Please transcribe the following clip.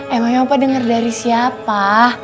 emangnya opa denger dari siapa